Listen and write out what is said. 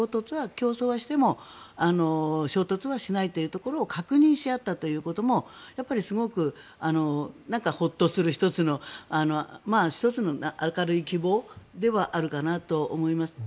競争はしても衝突はしないことを確認し合ったという意味でもすごくホッとする１つの明るい希望ではあるかなと思います。